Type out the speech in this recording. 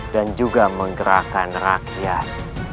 dan juga menggerakkan rakyat